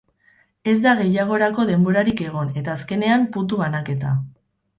Ez da gehiagorako denborarik egon, eta azkenean, puntu banaketa.